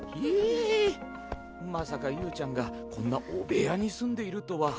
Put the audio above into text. まさかユウちゃんがこんな汚部屋に住んでいるとは。